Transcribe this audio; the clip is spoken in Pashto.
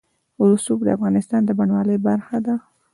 رسوب د افغانستان د بڼوالۍ برخه ده.